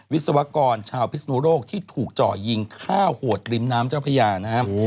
วิศวกรชาวพิศนุโรคที่ถูกเจาะยิงฆ่าโหดริมน้ำเจ้าพญานะครับ